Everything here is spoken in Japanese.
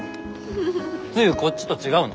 つゆこっちと違うの？